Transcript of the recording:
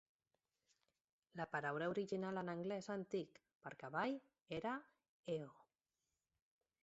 La paraula original en anglès antic per "cavall" era "eoh".